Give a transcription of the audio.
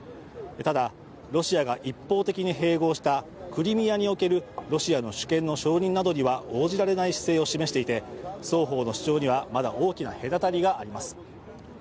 ただ、ロシアが一方的に併合したクリミアにおけるロシアの主権の承認などには応じられない姿勢を示していて、双方の主張にはまだ大きな隔たりがあります。